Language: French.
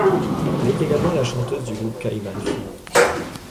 Elle est également la chanteuse du groupe Caïman Fu.